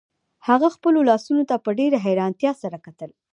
هغه خپلو لاسونو ته په ډیره حیرانتیا سره کتل